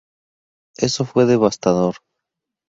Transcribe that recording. Eso fue devastador".